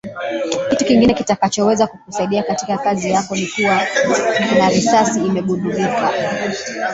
Kitu kingine kitakachoweza kukusaidia katika kazi yako ni kuwa kuna risasi imegundulika